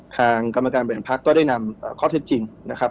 ทางกรรมการบริหารพักก็ได้นำข้อเท็จจริงนะครับ